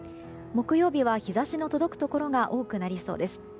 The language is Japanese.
木曜日は日差しの届くところが多くなりそうです。